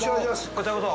こちらこそ。